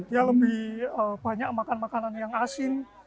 dia lebih banyak makan makanan yang asin